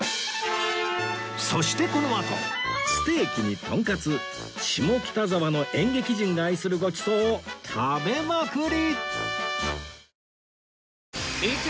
そしてこのあとステーキにとんかつ下北沢の演劇人が愛するごちそうを食べまくり！